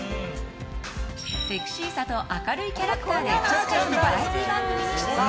セクシーさと明るいキャラクターで数々のバラエティー番組に出演。